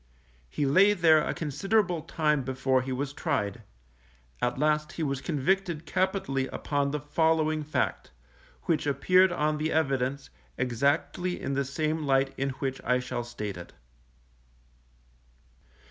He lay there a considerable time before he was tried; at last he was convicted capitally upon the following fact, which appeared on the evidence, exactly in the same light in which I shall state it.